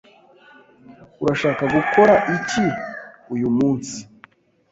Urashaka gukora iki uyu munsi?